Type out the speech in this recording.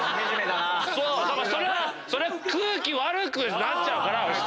それは空気悪くなっちゃうから。